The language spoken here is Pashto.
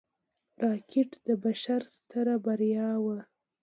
راکټ د بشر ستره بریا وه